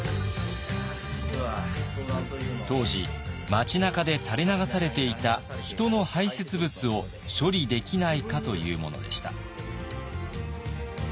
当時街なかで垂れ流されていた人の排せつ物を処理できないかというものでした。